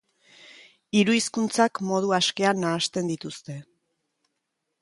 Hiru hizkuntzak modu askean nahasten dituzte.